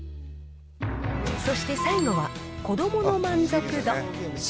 そして最後は、子どもの満足度。